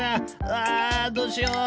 うわどうしよう！